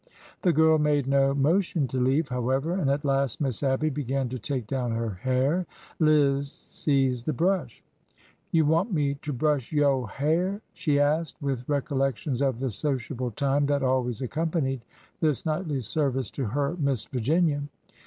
The girl made no motion to leave, however, and at last Miss Abby began to take down her hair. Liz seized the brush. ''You want me to bresh yo' ha'r?" she asked, with recollections of the sociable time that always accompanied this nightly service to her Miss Virginia.